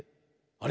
あれ？